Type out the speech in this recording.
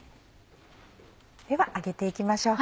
では揚げて行きましょう。